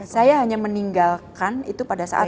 saya hanya meninggalkan itu pada saat